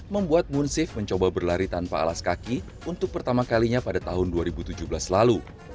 membuat munsif mencoba berlari tanpa alas kaki untuk pertama kalinya pada tahun dua ribu tujuh belas lalu